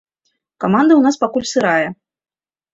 Каманда ў нас пакуль сырая.